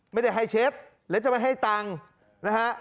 ไม่ได้ให้เช็ดและจะไม่ให้ตังค์นะฮะ